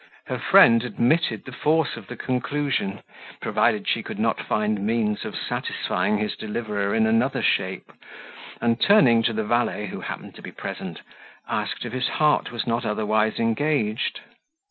Her friend admitted the force of the conclusion, provided she could not find means of satisfying his deliverer in another shape; and, turning, to the valet, who happened to be present, asked if his heart was not otherwise engaged.